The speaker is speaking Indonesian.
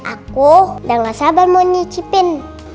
aku yang gak sabar mau nyicipin